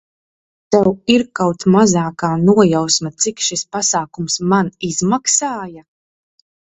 Tev ir kaut mazākā nojausma, cik šis pasākums man izmaksāja?